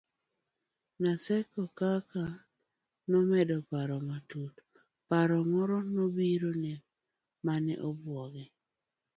Naseko kaka nomedo paro matut, paro moro nobirone mane obwoge